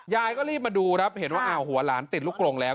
ยายก็รีบมาดูครับเห็นว่าอ้าวหัวหลานติดลูกกลงแล้ว